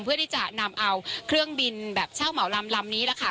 เพื่อที่จะนำเอาเครื่องบินแบบเช่าเหมาลำลำนี้แหละค่ะ